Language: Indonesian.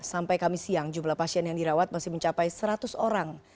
sampai kami siang jumlah pasien yang dirawat masih mencapai seratus orang